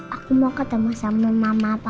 aku mau ketemu sama mama apa